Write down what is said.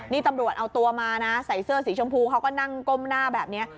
นี่ตำรวจเอาตัวมานะใส่เสื้อสีชมพูเขาก็นั่งก้มหน้าแบบนี้